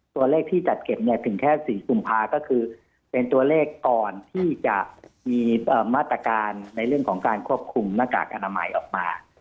ตัวเลขที่จัดเก็บเนี่ยถึงแค่๔กุมภาก็คือเป็นตัวเลขก่อนที่จะมีมาตรการในเรื่องของการควบคุมหน้ากากอนามัยออกมา